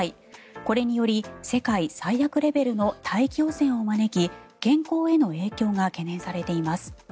これにより世界最悪レベルの大気汚染を招き健康への影響が懸念されています。